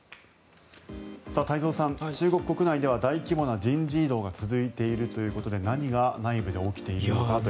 太蔵さん、中国国内では大規模な人事異動が続いているということで何が内部で起きているのか。